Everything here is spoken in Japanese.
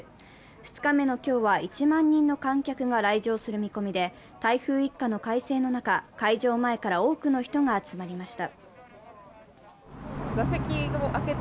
２日目の今日は１万人の観客が来場する見込みで台風一過の快晴の中、開場前から多くの人が集まりました。